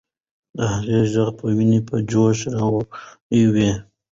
د هغې ږغ به ويني په جوش راوړي وي.